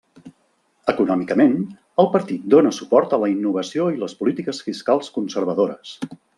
Econòmicament, el partit dóna suport a la innovació i les polítiques fiscals conservadores.